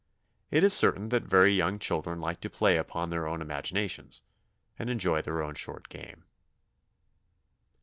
It is certain that very young children like to play upon their own imaginations, and enjoy their own short game.